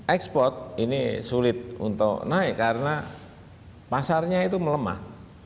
ekspor ini sulit untuk naik karena pasarnya itu melemah